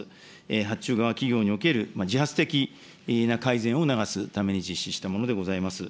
発注側企業における自発的な改善を促すために実施したものでございます。